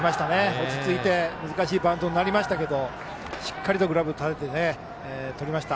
落ち着いて難しいバウンドになりましたがグラブをしっかり立ててとりました。